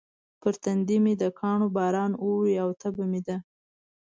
پر تندي مې د کاڼو باران اوري او تبه مې ده.